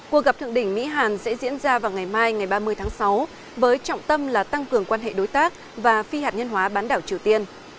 cuộc gặp thượng đỉnh mỹ hàn sẽ diễn ra vào ngày mai ngày ba mươi tháng sáu với trọng tâm là tăng cường quan hệ đối tác và phi hạt nhân hóa bán đảo triều tiên